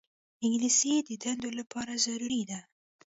انګلیسي د دندو لپاره ضروري ده